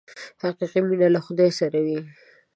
حقیقي مینه له خدای سره وي.